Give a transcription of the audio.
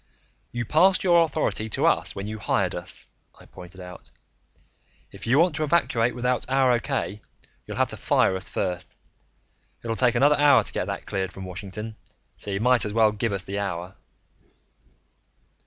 "You passed your authority to us when you hired us," I pointed out. "If you want to evacuate without our O.K., you'll have to fire us first. It'll take another hour to get that cleared from Washington so you might as well give us the hour."